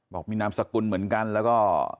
บอกมีนามสกุลเหมือนกันแล้วก็